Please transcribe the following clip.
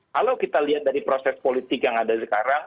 kalau kita lihat dari proses politik yang ada sekarang